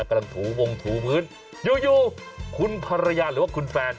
กำลังถูวงถูพื้นอยู่คุณภรรยาหรือว่าคุณแฟน